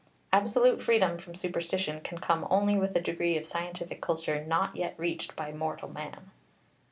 Absolute freedom from superstition can come only with a degree of scientific culture not yet reached by mortal man.